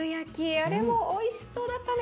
あれもおいしそうだったね。